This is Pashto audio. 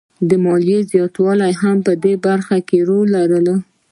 د ماليې زیاتوالی هم په دې برخه کې رول لري